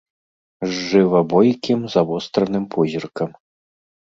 З жыва бойкім, завостраным позіркам.